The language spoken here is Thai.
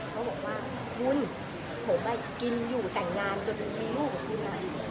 เค้าบอกว่าคุณผมกินอยู่แต่งงานจนมีลูกกับคุณอันนี้